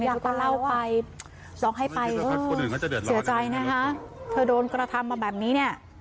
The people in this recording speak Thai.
อยากต้องเล่าไปร้องให้ไปเออเสียใจนะคะเธอโดนกระทำมาแบบนี้เนี่ย